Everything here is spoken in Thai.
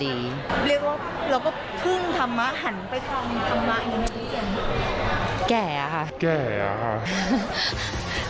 เรียกว่าเราก็เพิ่งทำมาหันไปทำมาอีกนิดนึง